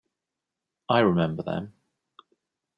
I remember them.